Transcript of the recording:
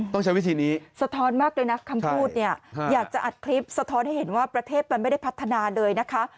ต้องใช้วิธีนี้สะท้อนมากเลยนะคำพูดเนี่ยอยากจะอัดคลิปสะท้อนให้เห็นว่าประเทศมันไม่ได้พัฒนาเลยนะคะ